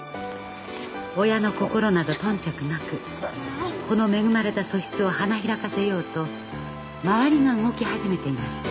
親の心など頓着なくこの恵まれた素質を花開かせようと周りが動き始めていました。